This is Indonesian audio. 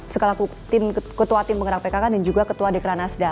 sekalaku tim ketua tim menggerak pkk dan juga ketua dekeraan asda